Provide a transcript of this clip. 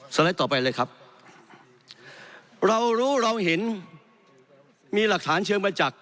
ไลด์ต่อไปเลยครับเรารู้เราเห็นมีหลักฐานเชิงประจักษ์